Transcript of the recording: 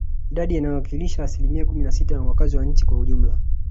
Idadi inayowakilisha asilimia kumi na sita ya wakazi wa nchi kwa ujumla